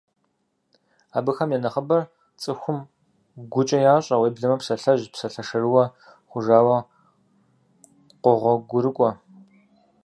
Абыхэм я нэхъыбэр цӀыхум гукӀэ ящӀэ, уеблэмэ псалъэжь, псалъэ шэрыуэ хъужауэ къогъуэгурыкӀуэ.